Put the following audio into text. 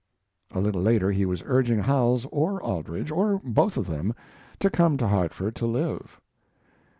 A little later he was urging Howells or Aldrich, or both of them; to come to Hartford to live.